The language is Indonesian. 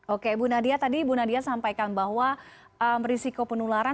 oke bu nadia tadi bu nadia sampaikan bahwa risiko penularan